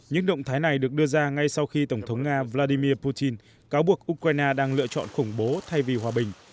những động thái này được đưa ra ngay sau khi tổng thống nga vladimir putin cáo buộc ukraine đang lựa chọn khủng bố thay vì hòa bình